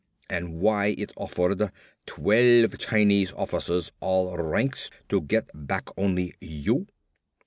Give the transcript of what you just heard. And why is it offered, twelve Chinese officers, all ranks, to get back only you?"